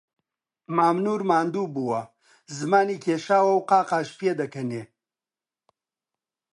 مام نوور ماندوو بووە، زمانی کێشاوە و قاقاش پێدەکەنێ